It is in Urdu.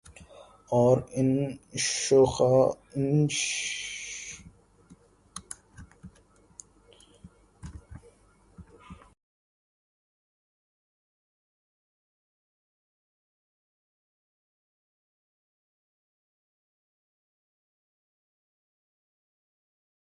اور انوشکا شرما سرِ فہرست ہیں